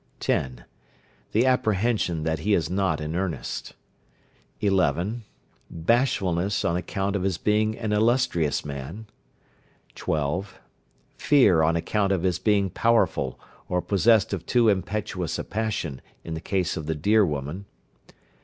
10. The apprehension that he is not in earnest. 11. Bashfulness on account of his being an illustrious man. 12. Fear on account of his being powerful, or possessed of too impetuous passion, in the case of the deer woman.